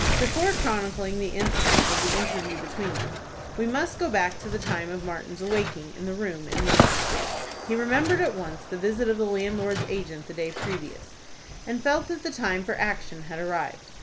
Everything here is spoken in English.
Before chronicling the incidents of the interview between them, we must go back to the time of Martin's awaking in the room in Leonard Street. He remembered, at once, the visit of the landlord's agent the day previous, and felt that the time for action had arrived.